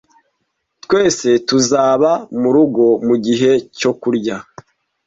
Twese tuzaba murugo mugihe cyo kurya.